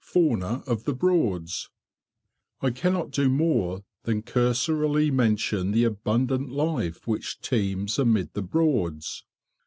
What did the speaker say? FAUNA OF THE BROADS. I cannot do more than cursorily mention the abundant life which teems amid the Broads.